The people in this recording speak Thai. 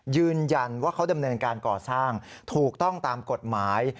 ยืนยันว่าเขาดำเนินการก่อสร้างถูกต้องตามกฎหมาย